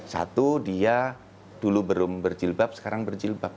satu dia dulu belum berjilbab sekarang berjilbab